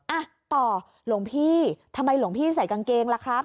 อ่ะต่อหลวงพี่ทำไมหลวงพี่ใส่กางเกงล่ะครับ